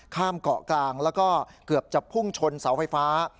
ข้ามเกาะกลางแล้วก็เกือบจะพุ่งชนเสาไฟฟ้า